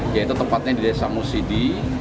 ya itu tempatnya di desa musidi